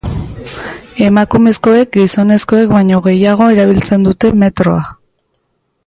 Emakumezkoek gizonezkoek baino gehiago erabiltzen dute metroa.